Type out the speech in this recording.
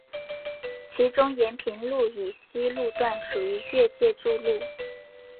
其中延平路以西路段属于越界筑路。